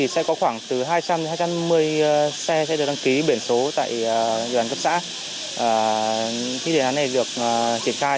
sẽ có khoảng từ hai trăm linh hai trăm năm mươi xe sẽ được đăng ký biển số tại đoàn cấp xã khi đề án này được triển khai